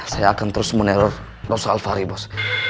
saya akan terus meneror rosalvary bos